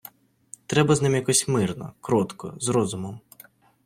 Треба з ним якось мирно, кротко, з розумом...